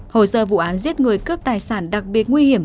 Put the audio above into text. hồi giờ vụ án giết người cướp tài sản đặc biệt nguy hiểm